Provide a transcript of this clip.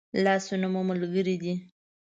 لاسونه مو ملګري دي